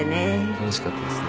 楽しかったですね。